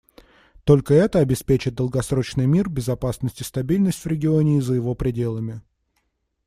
Только это обеспечит долгосрочный мир, безопасность и стабильность в регионе и за его пределами.